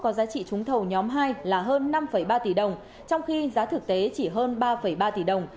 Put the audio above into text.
có giá trị trúng thầu nhóm hai là hơn năm ba tỷ đồng trong khi giá thực tế chỉ hơn ba ba tỷ đồng